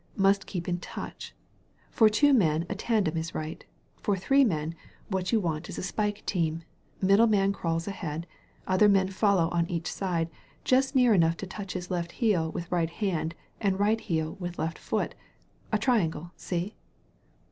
Must keep in touch. For two men a tandem is right. For three men, what you want is a spike team — middle man crawls ahead, other men follow on each side just near enough to touch his left heel with right hand and right heel with left hand — ^a triangle, see?